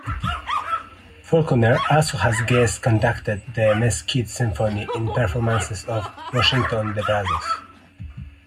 Faulconer also has guest conducted the Mesquite Symphony in performances of "Washington-on-the-Brazos".